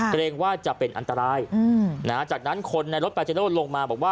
เกรงว่าจะเป็นอันตรายจากนั้นคนในรถปาเจโร่ลงมาบอกว่า